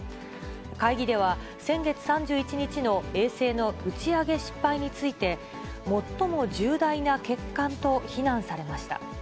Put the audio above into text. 会議では先月３１日の衛星の打ち上げ失敗について、最も重大な欠陥と非難されました。